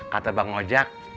kata bang ojek